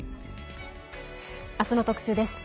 明日の特集です。